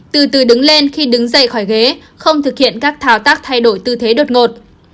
từ từ đứng lên khi đứng dậy khỏi ghế không thực hiện các thao tác thay đổi tư thế đột ngột